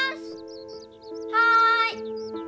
はい。